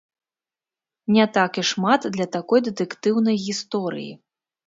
Не так і шмат для такой дэтэктыўнай гісторыі.